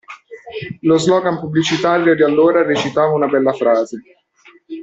Lo slogan pubblicitario di allora recitava una bella frase.